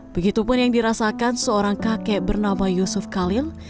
begitupun yang dirasakan seorang kakek bernama yusuf khalil